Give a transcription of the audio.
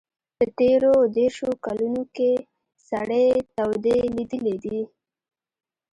په تېرو دېرشو کلونو کې سړې تودې لیدلي دي.